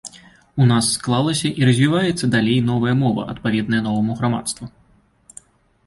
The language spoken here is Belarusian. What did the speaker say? У нас склалася і развіваецца далей новая мова, адпаведная новаму грамадству.